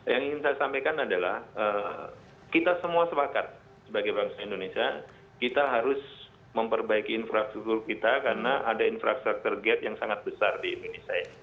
yang ingin saya sampaikan adalah kita semua sepakat sebagai bangsa indonesia kita harus memperbaiki infrastruktur kita karena ada infrastructure gap yang sangat besar di indonesia ini